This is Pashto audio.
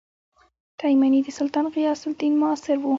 تایمنى د سلطان غیاث الدین معاصر وو.